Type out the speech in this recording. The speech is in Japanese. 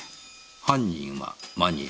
犯人はマニア。